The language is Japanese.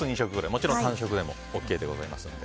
もちろん単色でもＯＫでございます。